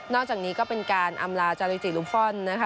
อกจากนี้ก็เป็นการอำลาจาริจิลูฟอนด์นะคะ